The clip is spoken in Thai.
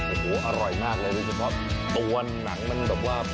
โอ้โหอร่อยมากเลยโดยเฉพาะตัวหนังมันแบบว่า